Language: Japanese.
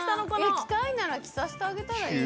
着たいなら着させてあげたらいいのに。